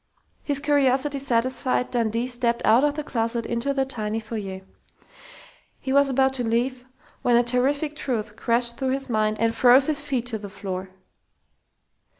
His curiosity satisfied, Dundee stepped out of the closet into the tiny foyer. He was about to leave when a terrific truth crashed through his mind and froze his feet to the floor.